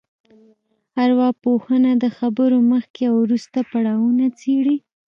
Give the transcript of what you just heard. ارواپوهنه د خبرو مخکې او وروسته پړاوونه څېړي